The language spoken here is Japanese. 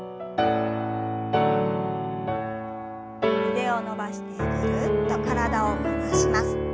腕を伸ばしてぐるっと体を回します。